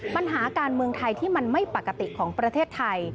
ปัญหาการเมืองไทยที่มันไม่ปกติของประเทศไทย